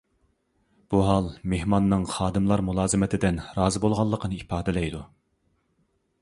بۇ ھال مېھماننىڭ خادىملار مۇلازىمىتىدىن رازى بولغانلىقىنى ئىپادىلەيدۇ.